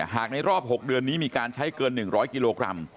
ในรอบ๖เดือนนี้มีการใช้เกิน๑๐๐กิโลกรัม